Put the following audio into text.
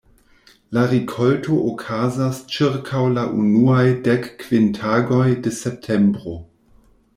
La rikolto okazas ĉirkaŭ la unuaj dek kvin tagoj de septembro.